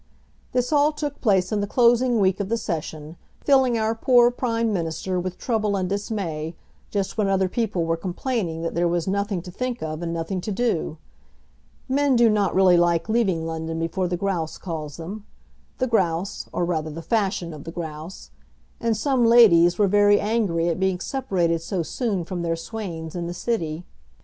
This all took place in the closing week of the Session, filling our poor Prime Minister with trouble and dismay, just when other people were complaining that there was nothing to think of and nothing to do. Men do not really like leaving London before the grouse calls them, the grouse, or rather the fashion of the grouse. And some ladies were very angry at being separated so soon from their swains in the city.